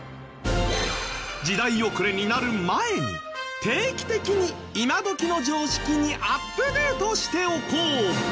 時代遅れになる前に定期的に今どきの常識にアップデートしておこう。